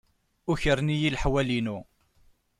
Ukren-iyi leḥwal-inu.